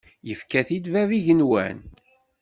Yefka-t-id bab igenwan.